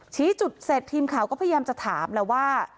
ชี้จุดเสร็จทีมข่าวก็พยายามจะถามแล้วว่า